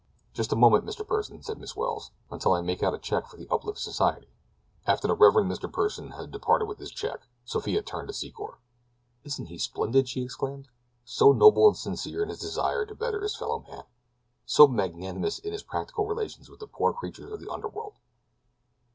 "Just a moment, Mr. Pursen," said Miss Welles, "until I make out a check for the Uplift Society." After the Rev. Mr. Pursen had departed with his check Sophia turned to Secor. "Isn't he splendid?" she exclaimed. "So noble and sincere in his desire to better his fellow man! So magnanimous in his practical relations with the poor creatures of the under world!"